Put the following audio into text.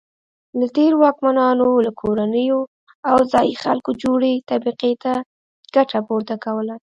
له تېرو واکمنانو له کورنیو او ځايي خلکو جوړې طبقې ګټه پورته کوله.